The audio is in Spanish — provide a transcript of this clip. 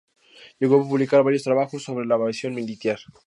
Llegó a publicar varios trabajos sobre la aviación militar.